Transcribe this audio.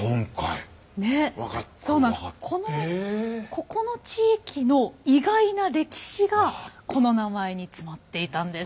ここの地域の意外な歴史がこの名前に詰まっていたんです。